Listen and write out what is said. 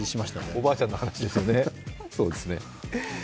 おばあちゃんの話ですよね、そうですね。